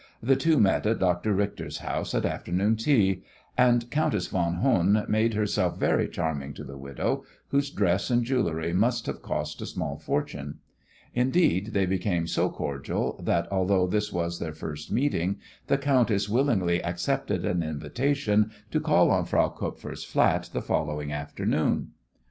The two met at Dr. Richter's house at afternoon tea, and Countess von Hohn made herself very charming to the widow, whose dress and jewellery must have cost a small fortune. Indeed, they became so cordial that, although this was their first meeting, the countess willingly accepted an invitation to call at Frau Kupfer's flat the following afternoon.